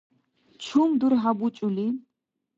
Чум дурхӏя бучӏули?